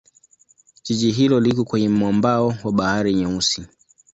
Jiji hilo liko kwenye mwambao wa Bahari Nyeusi.